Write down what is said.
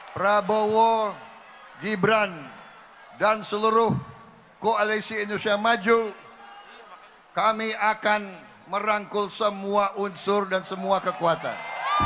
prabowo gibran dan seluruh koalisi indonesia maju kami akan merangkul semua unsur dan semua kekuatan